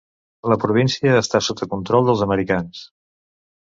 La província està sota control dels americans.